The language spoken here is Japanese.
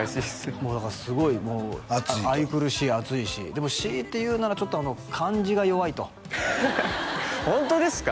もうだからすごい熱いと愛くるしい熱いしでも強いて言うならちょっと漢字が弱いとホントですか？